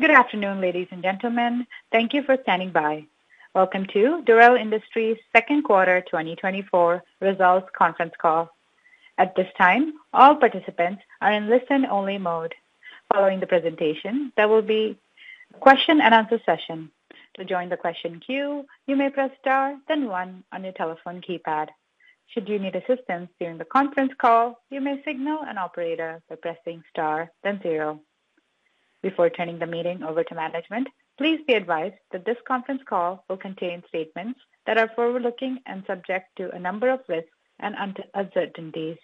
Good afternoon, ladies and gentlemen. Thank you for standing by. Welcome to Dorel Industries' second quarter 2024 results Conference Call. At this time, all participants are in listen-only mode. Following the presentation, there will be a question and answer session. To join the question queue, you may press Star, then one on your telephone keypad. Should you need assistance during the conference call, you may signal an operator by pressing Star, then zero. Before turning the meeting over to management, please be advised that this conference call will contain statements that are forward-looking and subject to a number of risks and uncertainties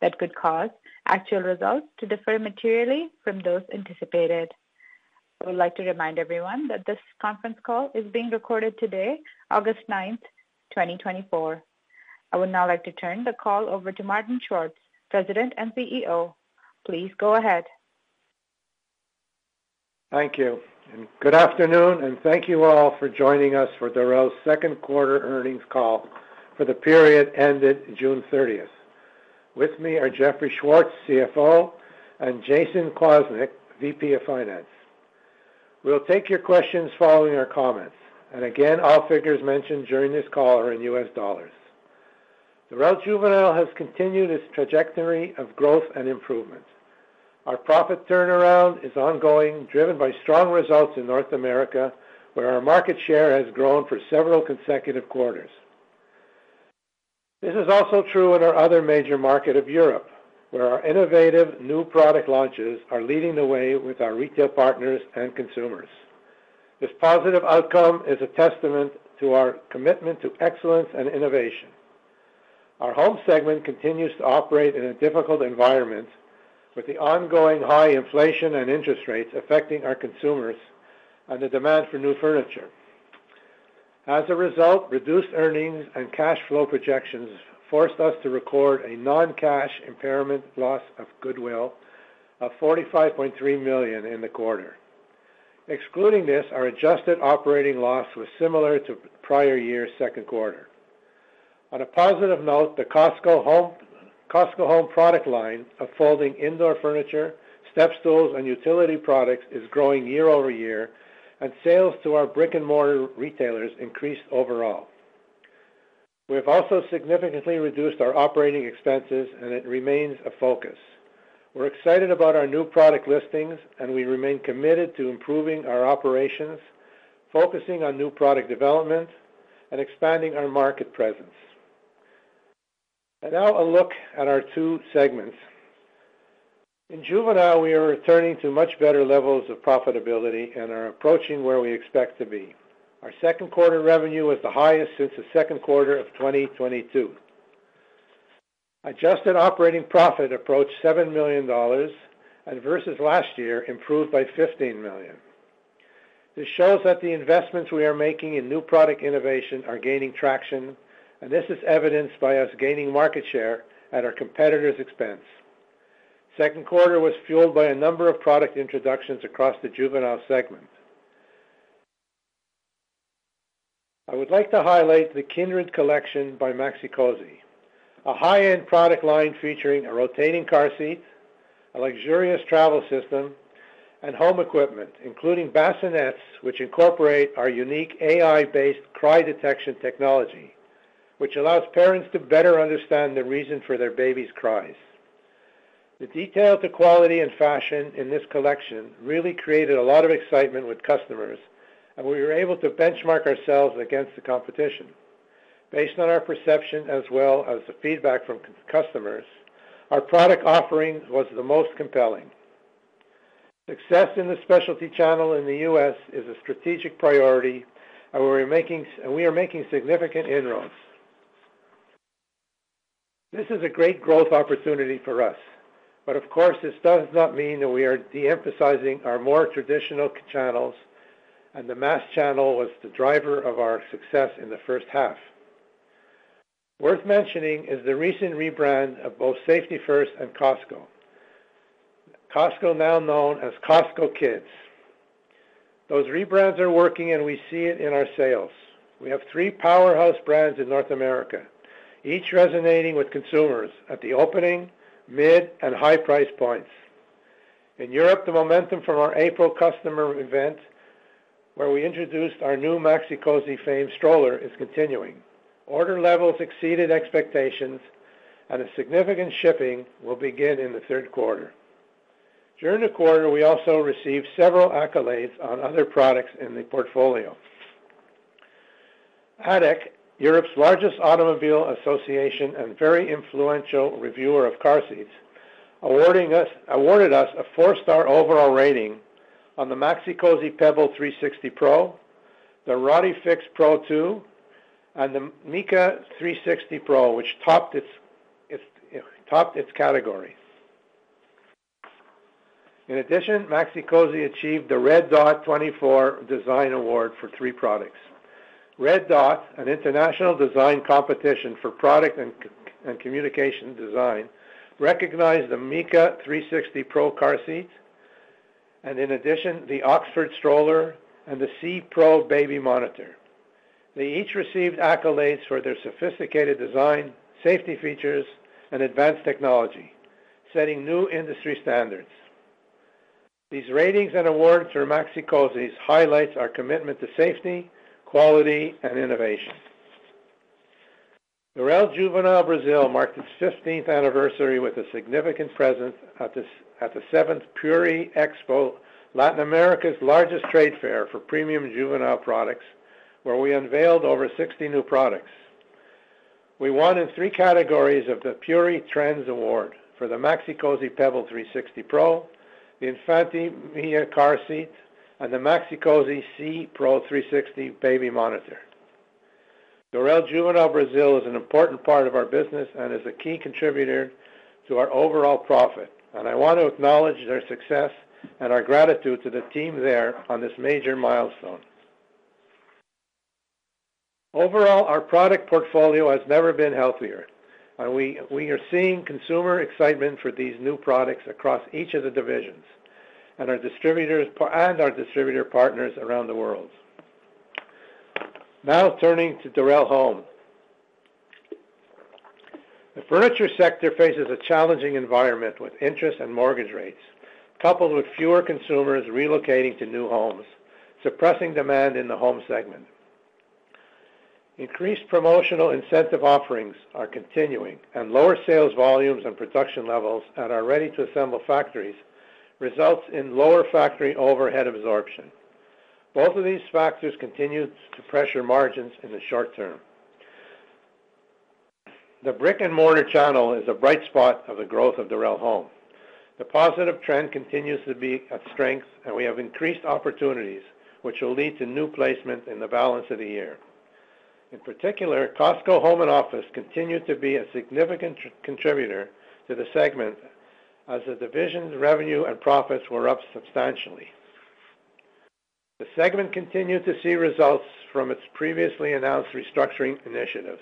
that could cause actual results to differ materially from those anticipated. I would like to remind everyone that this conference call is being recorded today, August 9, 2024. I would now like to turn the call over to Martin Schwartz, President and CEO. Please go ahead. Thank you, and good afternoon, and thank you all for joining us for Dorel's second quarter earnings call for the period ended June 30. With me are Jeffrey Schwartz, CFO, and Jason Kloss, VP of Finance. We'll take your questions following our comments. Again, all figures mentioned during this call are in US dollars. Dorel Juvenile has continued its trajectory of growth and improvement. Our profit turnaround is ongoing, driven by strong results in North America, where our market share has grown for several consecutive quarters. This is also true in our other major market of Europe, where our innovative new product launches are leading the way with our retail partners and consumers. This positive outcome is a testament to our commitment to excellence and innovation. Our home segment continues to operate in a difficult environment, with the ongoing high inflation and interest rates affecting our consumers and the demand for new furniture. As a result, reduced earnings and cash flow projections forced us to record a non-cash impairment loss of goodwill of $45.3 million in the quarter. Excluding this, our adjusted operating loss was similar to prior year's second quarter. On a positive note, the Cosco Home, Cosco Home product line of folding indoor furniture, step stools, and utility products is growing year-over-year, and sales to our brick-and-mortar retailers increased overall. We have also significantly reduced our operating expenses, and it remains a focus. We're excited about our new product listings, and we remain committed to improving our operations, focusing on new product development, and expanding our market presence. Now a look at our two segments. In Juvenile, we are returning to much better levels of profitability and are approaching where we expect to be. Our second quarter revenue was the highest since the second quarter of 2022. Adjusted operating profit approached $7 million and versus last year, improved by $15 million. This shows that the investments we are making in new product innovation are gaining traction, and this is evidenced by us gaining market share at our competitors' expense. Second quarter was fueled by a number of product introductions across the Juvenile segment. I would like to highlight the Kindred Collection by Maxi-Cosi, a high-end product line featuring a rotating car seat, a luxurious travel system, and home equipment, including bassinets, which incorporate our unique AI-based cry detection technology, which allows parents to better understand the reason for their baby's cries. The detail to quality and fashion in this collection really created a lot of excitement with customers, and we were able to benchmark ourselves against the competition. Based on our perception, as well as the feedback from customers, our product offering was the most compelling. Success in the specialty channel in the US is a strategic priority, and we are making significant inroads. This is a great growth opportunity for us, but of course, this does not mean that we are de-emphasizing our more traditional channels, and the mass channel was the driver of our success in the first half. Worth mentioning is the recent rebrand of both Safety 1st and Cosco. Cosco, now known as Cosco Kids. Those rebrands are working, and we see it in our sales. We have 3 powerhouse brands in North America, each resonating with consumers at the opening, mid, and high price points. In Europe, the momentum from our April customer event, where we introduced our new Maxi-Cosi Fame stroller, is continuing. Order levels exceeded expectations, and a significant shipping will begin in the third quarter. During the quarter, we also received several accolades on other products in the portfolio. ADAC, Europe's largest automobile association and very influential reviewer of car seats, awarded us a 4-star overall rating on the Maxi-Cosi Pebble 360 Pro, the RodiFix Pro 2, and the Mica 360 Pro, which topped its category. In addition, Maxi-Cosi achieved the Red Dot 24 Design Award for 3 products. Red Dot, an international design competition for product and and communication design, recognized the Mica 360 Pro car seat, and in addition, the Oxford stroller and the See Pro baby monitor. They each received accolades for their sophisticated design, safety features, and advanced technology, setting new industry standards. These ratings and awards for Maxi-Cosi highlights our commitment to safety, quality, and innovation. Dorel Juvenile Brazil marked its 15th anniversary with a significant presence at the seventh Pueri Expo, Latin America's largest trade fair for premium juvenile products, where we unveiled over 60 new products. We won in 3 categories of the Pueri Trends Award for the Maxi-Cosi Pebble 360 Pro, the Infanti Mia car seat, and the Maxi-Cosi See Pro 360 baby monitor. Dorel Juvenile Brazil is an important part of our business and is a key contributor to our overall profit, and I want to acknowledge their success and our gratitude to the team there on this major milestone. Overall, our product portfolio has never been healthier. We are seeing consumer excitement for these new products across each of the divisions, and our distributors and our distributor partners around the world. Now turning to Dorel Home. The furniture sector faces a challenging environment with interest and mortgage rates, coupled with fewer consumers relocating to new homes, suppressing demand in the home segment. Increased promotional incentive offerings are continuing, and lower sales volumes and production levels at our ready-to-assemble factories, results in lower factory overhead absorption. Both of these factors continue to pressure margins in the short term. The brick-and-mortar channel is a bright spot of the growth of Dorel Home. The positive trend continues to be at strength, and we have increased opportunities, which will lead to new placement in the balance of the year. In particular, Cosco Home and Office continued to be a significant contributor to the segment, as the division's revenue and profits were up substantially. The segment continued to see results from its previously announced restructuring initiatives,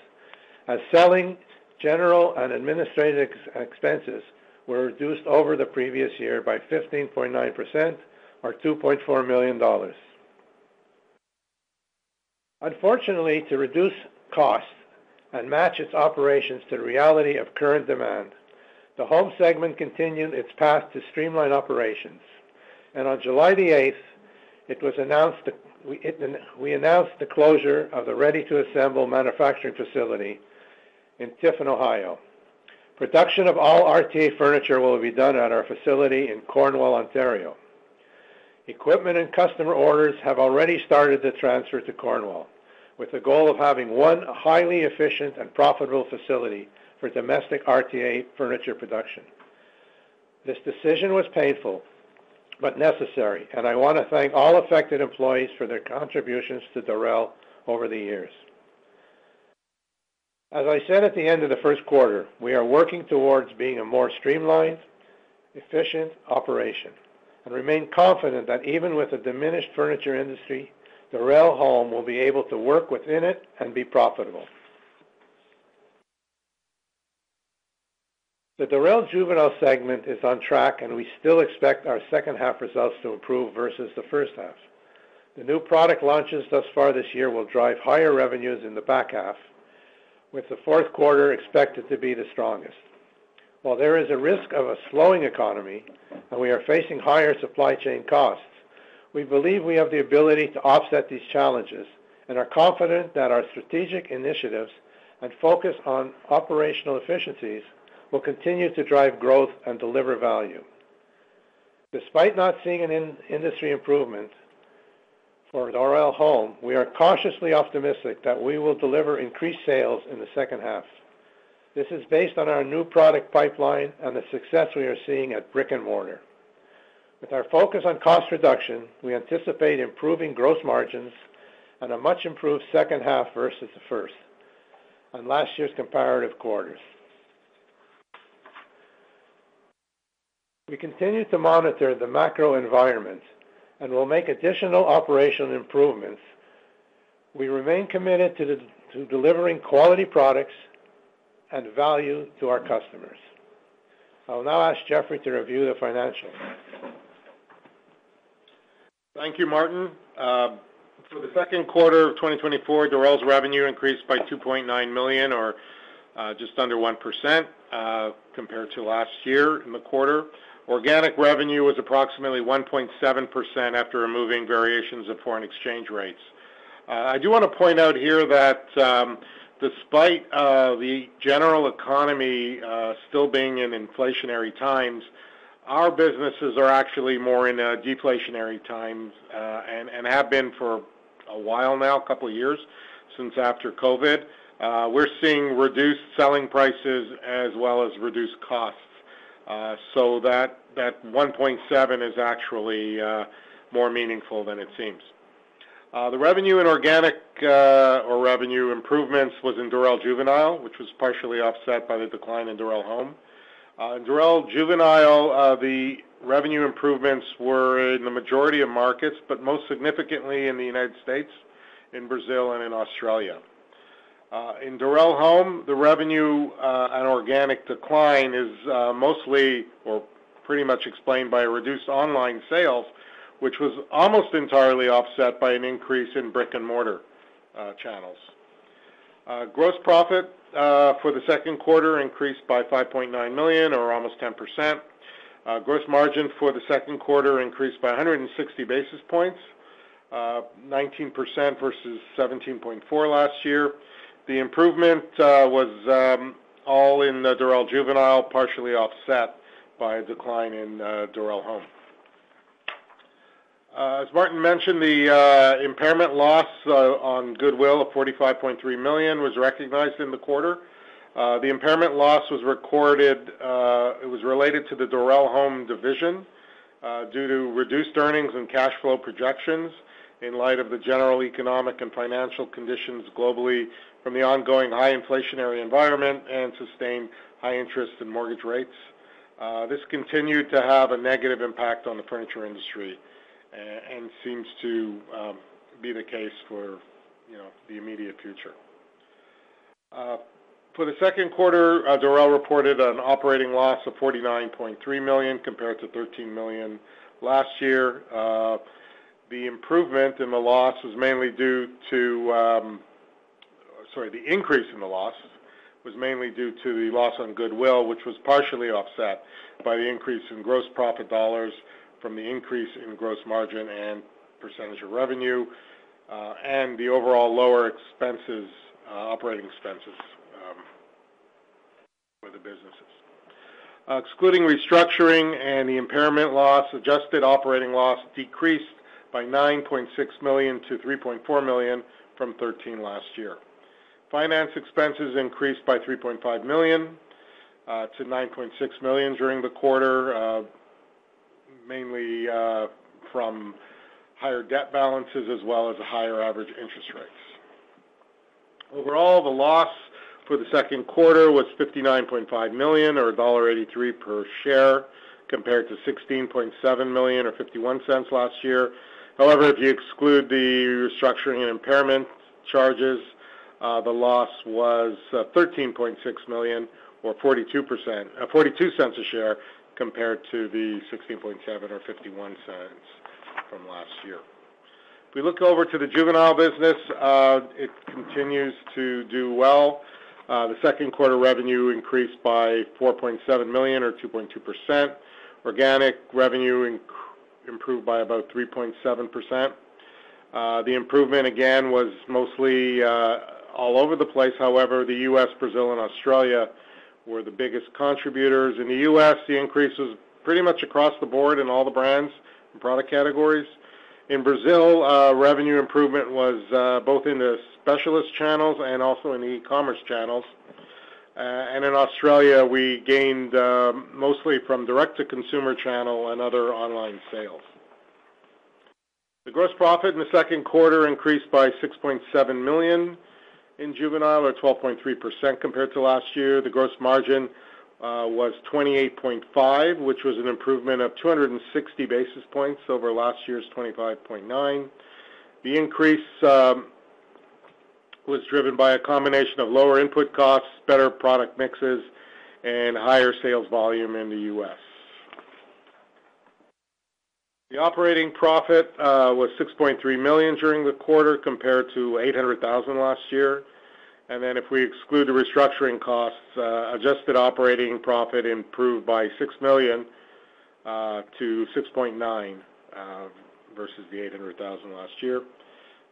as selling, general, and administrative expenses were reduced over the previous year by 15.9% or $2.4 million. Unfortunately, to reduce costs and match its operations to the reality of current demand, the home segment continued its path to streamline operations, and on July 8, we announced the closure of the ready-to-assemble manufacturing facility in Tiffin, Ohio. Production of all RTA furniture will be done at our facility in Cornwall, Ontario. Equipment and customer orders have already started to transfer to Cornwall, with the goal of having one highly efficient and profitable facility for domestic RTA furniture production. This decision was painful, but necessary, and I want to thank all affected employees for their contributions to Dorel over the years. As I said at the end of the first quarter, we are working towards being a more streamlined, efficient operation, and remain confident that even with a diminished furniture industry, Dorel Home will be able to work within it and be profitable. The Dorel Juvenile segment is on track, and we still expect our second half results to improve versus the first half. The new product launches thus far this year will drive higher revenues in the back half, with the fourth quarter expected to be the strongest. While there is a risk of a slowing economy and we are facing higher supply chain costs, we believe we have the ability to offset these challenges and are confident that our strategic initiatives and focus on operational efficiencies will continue to drive growth and deliver value. Despite not seeing an in-industry improvement for Dorel Home, we are cautiously optimistic that we will deliver increased sales in the second half. This is based on our new product pipeline and the success we are seeing at brick-and-mortar. With our focus on cost reduction, we anticipate improving gross margins and a much improved second half versus the first, on last year's comparative quarters. We continue to monitor the macro environment and will make additional operational improvements. We remain committed to delivering quality products and value to our customers. I will now ask Jeffrey to review the financials. Thank you, Martin. For the second quarter of 2024, Dorel's revenue increased by $2.9 million or just under 1%, compared to last year in the quarter. Organic revenue was approximately 1.7% after removing variations of foreign exchange rates. I do wanna point out here that, despite the general economy still being in inflationary times, our businesses are actually more in a deflationary times and have been for a while now, a couple of years, since after COVID. We're seeing reduced selling prices as well as reduced costs, so that 1.7 is actually more meaningful than it seems. The revenue and organic or revenue improvements was in Dorel Juvenile, which was partially offset by the decline in Dorel Home. In Dorel Juvenile, the revenue improvements were in the majority of markets, but most significantly in the United States, in Brazil, and in Australia. In Dorel Home, the revenue and organic decline is mostly or pretty much explained by a reduced online sales, which was almost entirely offset by an increase in brick-and-mortar channels. Gross profit for the second quarter increased by $5.9 million or almost 10%. Gross margin for the second quarter increased by 160 basis points, 19% versus 17.4% last year. The improvement was all in the Dorel Juvenile, partially offset by a decline in Dorel Home. As Martin mentioned, the impairment loss on goodwill of $45.3 million was recognized in the quarter. The impairment loss was recorded. It was related to the Dorel Home division, due to reduced earnings and cash flow projections in light of the general economic and financial conditions globally from the ongoing high inflationary environment and sustained high interest in mortgage rates. This continued to have a negative impact on the furniture industry, and seems to be the case for, you know, the immediate future. For the second quarter, Dorel reported an operating loss of $49.3 million, compared to $13 million last year. The increase in the loss was mainly due to the loss on goodwill, which was partially offset by the increase in gross profit dollars from the increase in gross margin and percentage of revenue, and the overall lower expenses, operating expenses, for the businesses. Excluding restructuring and the impairment loss, adjusted operating loss decreased by $9.6 million to $3.4 million from $13 million last year. Finance expenses increased by $3.5 million to $9.6 million during the quarter, mainly from higher debt balances as well as a higher average interest rates. Overall, the loss for the second quarter was $59.5 million or $1.83 per share, compared to $16.7 million or $0.51 last year. However, if you exclude the restructuring and impairment charges, the loss was $13.6 million or $0.42 a share, compared to the $16.7 million or $0.51 from last year. If we look over to the Juvenile business, it continues to do well. The second quarter revenue increased by $4.7 million or 2.2%. Organic revenue improved by about 3.7%. The improvement, again, was mostly all over the place. However, the U.S., Brazil, and Australia were the biggest contributors. In the U.S., the increase was pretty much across the board in all the brands and product categories. In Brazil, revenue improvement was both in the specialist channels and also in the e-commerce channels. And in Australia, we gained mostly from direct-to-consumer channel and other online sales. The gross profit in the second quarter increased by $6.7 million in Juvenile, or 12.3% compared to last year. The gross margin was 28.5, which was an improvement of 260 basis points over last year's 25.9. The increase was driven by a combination of lower input costs, better product mixes, and higher sales volume in the US. The operating profit was $6.3 million during the quarter, compared to $800,000 last year. If we exclude the restructuring costs, adjusted operating profit improved by $6 million to $6.9 million versus the $800,000 last year.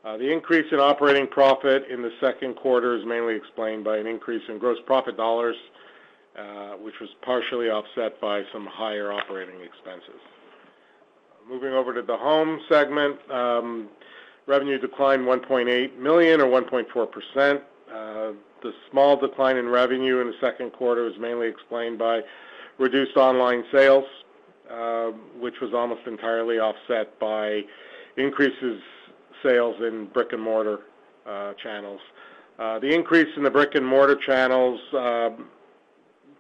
The increase in operating profit in the second quarter is mainly explained by an increase in gross profit dollars, which was partially offset by some higher operating expenses. Moving over to the Home segment, revenue declined $1.8 million or 1.4%. The small decline in revenue in the second quarter was mainly explained by reduced online sales, which was almost entirely offset by increases sales in brick-and-mortar channels. The increase in the brick-and-mortar channels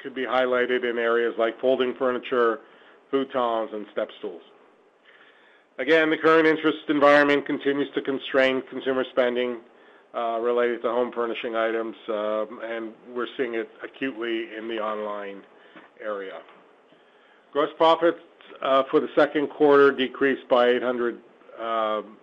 could be highlighted in areas like folding furniture, futons, and step stools. Again, the current interest environment continues to constrain consumer spending related to home furnishing items, and we're seeing it acutely in the online area. Gross profits for the second quarter decreased by eight hundred thousand,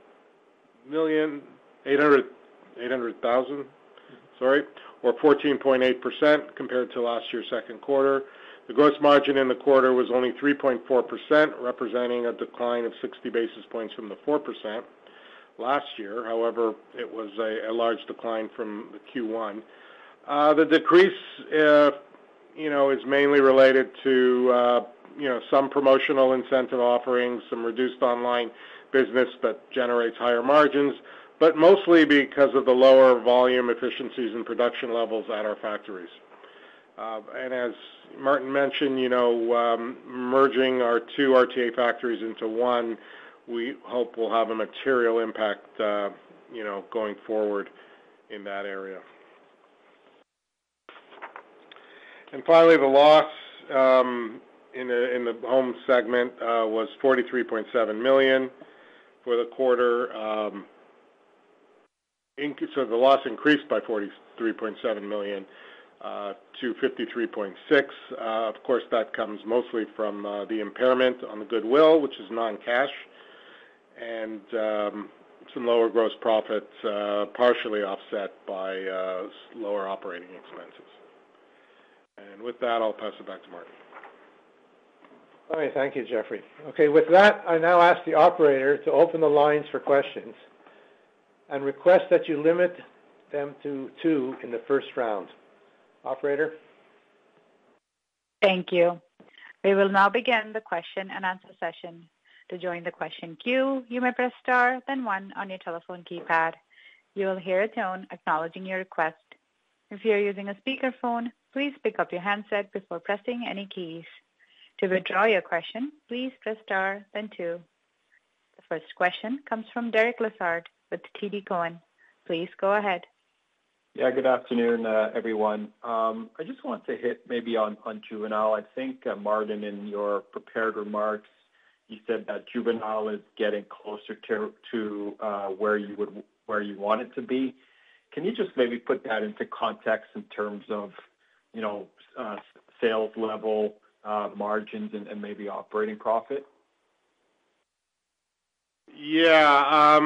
sorry, or 14.8%, compared to last year's second quarter. The gross margin in the quarter was only 3.4%, representing a decline of 60 basis points from the 4% last year. However, it was a large decline from the Q1. The decrease, you know, is mainly related to, you know, some promotional incentive offerings, some reduced online business that generates higher margins, but mostly because of the lower volume efficiencies and production levels at our factories. And as Martin mentioned, you know, merging our two RTA factories into one, we hope will have a material impact, you know, going forward in that area.... And finally, the loss in the home segment was $43.7 million for the quarter. So the loss increased by $43.7 million to $53.6 million. Of course, that comes mostly from the impairment on the goodwill, which is non-cash, and some lower gross profits, partially offset by lower operating expenses. With that, I'll pass it back to Martin. All right, thank you, Jeffrey. Okay, with that, I now ask the operator to open the lines for questions and request that you limit them to two in the first round. Operator? Thank you. We will now begin the question-and-answer session. To join the question queue, you may press Star, then one on your telephone keypad. You will hear a tone acknowledging your request. If you're using a speakerphone, please pick up your handset before pressing any keys. To withdraw your question, please press Star then two. The first question comes from Derek Lessard with TD Cowen. Please go ahead. Yeah, good afternoon, everyone. I just want to hit maybe on Juvenile. I think, Martin, in your prepared remarks, you said that Juvenile is getting closer to where you want it to be. Can you just maybe put that into context in terms of, you know, sales level, margins, and maybe operating profit? Yeah,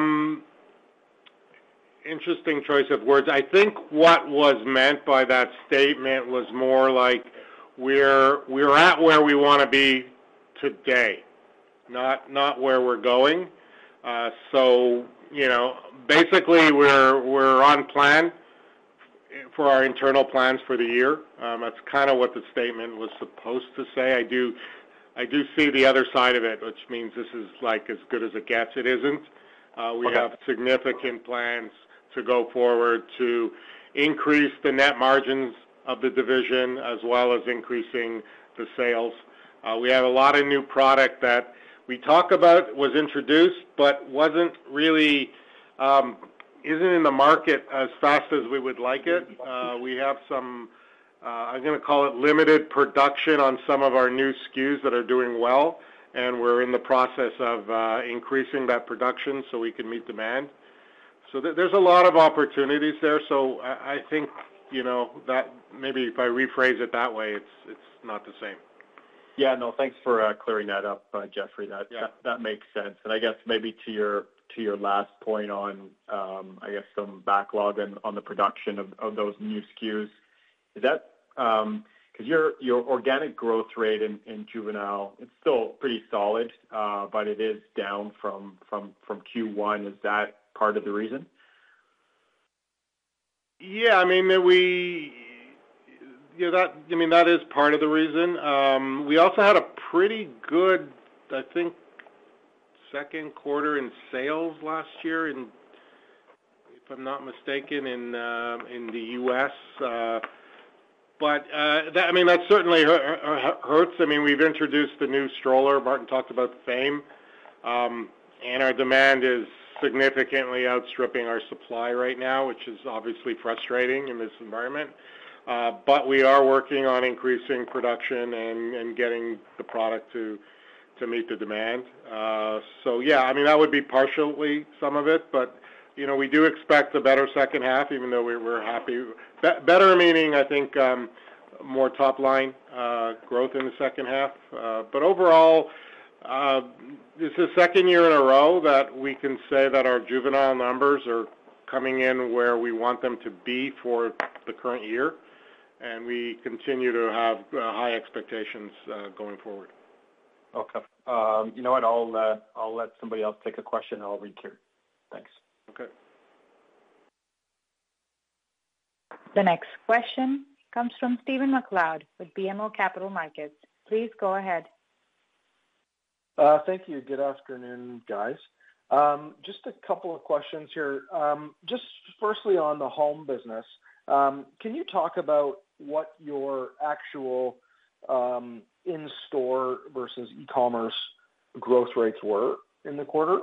interesting choice of words. I think what was meant by that statement was more like we're at where we wanna be today, not where we're going. So you know, basically, we're on plan for our internal plans for the year. That's kind of what the statement was supposed to say. I do see the other side of it, which means this is like as good as it gets. It isn't. We have significant plans to go forward to increase the net margins of the division, as well as increasing the sales. We have a lot of new product that we talk about, was introduced, but wasn't really, isn't in the market as fast as we would like it. We have some, I'm gonna call it limited production on some of our new SKUs that are doing well, and we're in the process of increasing that production so we can meet demand. So there's a lot of opportunities there. So I think, you know, that maybe if I rephrase it that way, it's not the same. Yeah. No, thanks for clearing that up, Jeffrey. Yeah. That makes sense. And I guess maybe to your last point on I guess some backlog and on the production of those new SKUs, is that... Because your organic growth rate in Juvenile, it's still pretty solid, but it is down from Q1. Is that part of the reason? Yeah, I mean, that is part of the reason. We also had a pretty good, I think, second quarter in sales last year, and if I'm not mistaken, in the U.S. But that certainly hurts. I mean, we've introduced the new stroller. Martin talked about the Fame. And our demand is significantly outstripping our supply right now, which is obviously frustrating in this environment. But we are working on increasing production and getting the product to meet the demand. So yeah, I mean, that would be partially some of it, but you know, we do expect a better second half, even though we're happy. Better, meaning, I think, more top line growth in the second half. Overall, this is the second year in a row that we can say that our juvenile numbers are coming in where we want them to be for the current year, and we continue to have high expectations going forward. Okay. You know what? I'll, I'll let somebody else take a question, and I'll read here. Thanks. Okay. The next question comes from Stephen MacLeod with BMO Capital Markets. Please go ahead. Thank you. Good afternoon, guys. Just a couple of questions here. Just firstly, on the home business, can you talk about what your actual, in-store versus e-commerce growth rates were in the quarter?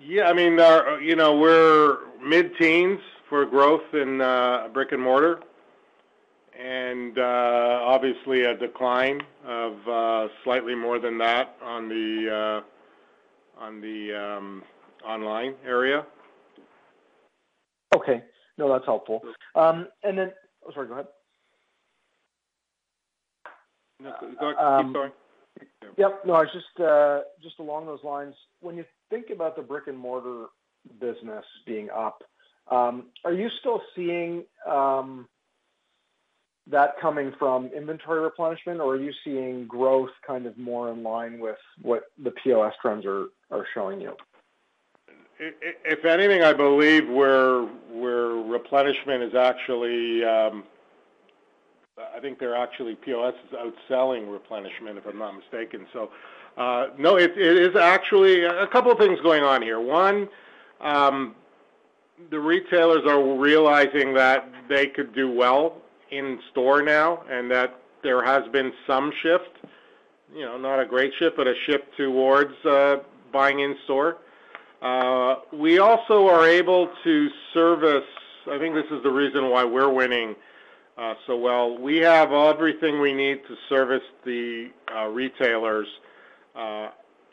Yeah, I mean, our—you know, we're mid-teens for growth in brick and mortar, and obviously, a decline of slightly more than that on the online area. Okay. No, that's helpful. And then... Oh, sorry, go ahead. No, keep going. Yep. No, I was just along those lines. When you think about the brick-and-mortar business being up, are you still seeing that coming from inventory replenishment, or are you seeing growth kind of more in line with what the POS trends are showing you? If anything, I believe where replenishment is actually. I think they're actually POS is outselling replenishment, if I'm not mistaken. So, no, it is actually a couple of things going on here. One, the retailers are realizing that they could do well in store now and that there has been some shift.... You know, not a great shift, but a shift towards buying in store. We also are able to service—I think this is the reason why we're winning so well. We have everything we need to service the retailers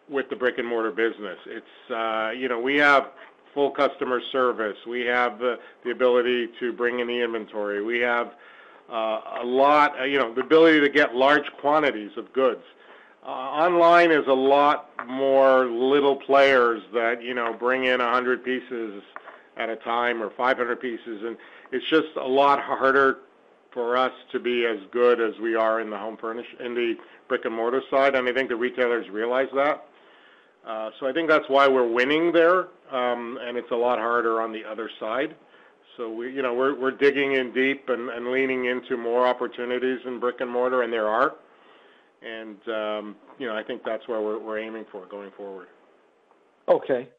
with the brick-and-mortar business. It's, you know, we have full customer service. We have the ability to bring in the inventory. We have a lot, you know, the ability to get large quantities of goods. Online is a lot more little players that, you know, bring in 100 pieces at a time or 500 pieces, and it's just a lot harder for us to be as good as we are in the brick-and-mortar side, and I think the retailers realize that. So I think that's why we're winning there, and it's a lot harder on the other side. So we, you know, we're digging in deep and leaning into more opportunities in brick-and-mortar, and there are. You know, I think that's where we're aiming for going forward. Okay.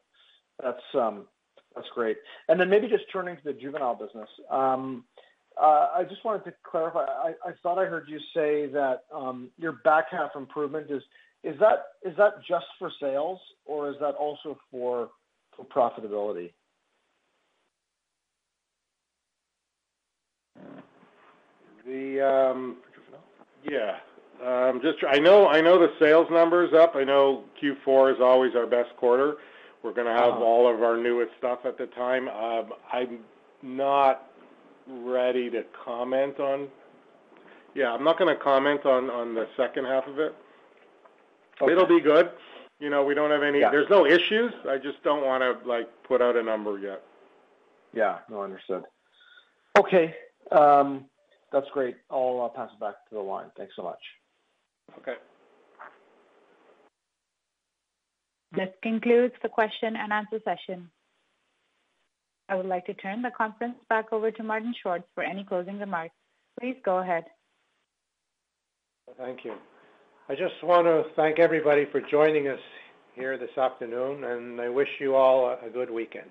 That's, that's great. And then maybe just turning to the juvenile business. I just wanted to clarify. I thought I heard you say that, your back half improvement, is that just for sales, or is that also for profitability? Yeah. Just I know, I know the sales number is up. I know Q4 is always our best quarter. We're gonna have all of our newest stuff at the time. I'm not ready to comment on. Yeah, I'm not gonna comment on, on the second half of it. Okay. It'll be good. You know, we don't have any- Yeah. There's no issues. I just don't want to, like, put out a number yet. Yeah, no, understood. Okay, that's great. I'll pass it back to the line. Thanks so much. Okay. This concludes the question and answer session. I would like to turn the conference back over to Martin Schwartz for any closing remarks. Please go ahead. Thank you. I just want to thank everybody for joining us here this afternoon, and I wish you all a good weekend.